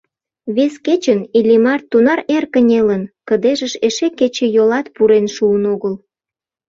Вес кечын Иллимар тунар эр кынелын — кыдежыш эше кечыйолат пурен шуын огыл.